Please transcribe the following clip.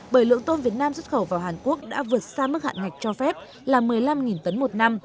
bởi lượng tôm việt nam xuất khẩu vào hàn quốc đã vượt xa mức hạn ngạch cho phép là một mươi năm tấn một năm